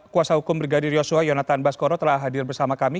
kuasa hukum brigadir yosua yonatan baskoro telah hadir bersama kami